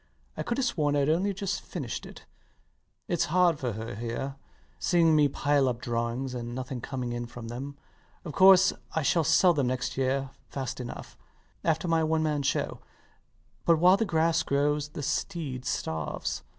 I could have sworn I'd only just finished it. It's hard for her here, seeing me piling up drawings and nothing coming in for them. Of course I shall sell them next year fast enough, after my one man show; but while the grass grows the steed starves.